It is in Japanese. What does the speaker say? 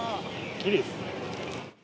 きれいですね。